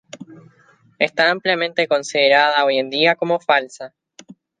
Está ampliamente considerada hoy en día como falsa.